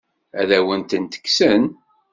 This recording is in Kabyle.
Ad awen-tent-kksen?